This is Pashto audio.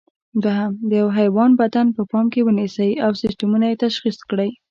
دوهم: د یوه حیوان بدن په پام کې ونیسئ او سیسټمونه یې تشخیص کړئ.